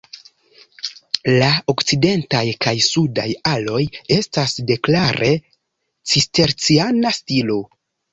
La okcidentaj kaj sudaj aloj estas de klare cisterciana stilo.